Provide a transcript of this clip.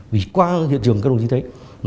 vì qua hiện trường các đồng chí thấy